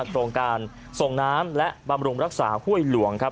โครงการส่งน้ำและบำรุงรักษาห้วยหลวงครับ